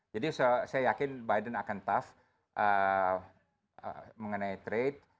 jadi saya yakin biden akan tough mengenai trade